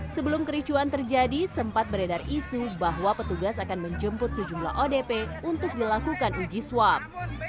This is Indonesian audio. sebelum kericuan terjadi sempat beredar isu bahwa petugas akan menjemput sejumlah odp untuk dilakukan uji swab